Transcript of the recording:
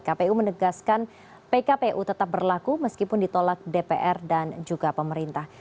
kpu menegaskan pkpu tetap berlaku meskipun ditolak dpr dan juga pemerintah